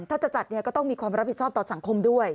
ถ้าจะจัดเนี่ยก็ต้องมีความรับผิดชอบต่อสังคมด้วย